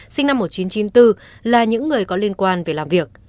sinh năm một nghìn chín trăm chín mươi bốn là những người có liên quan về làm việc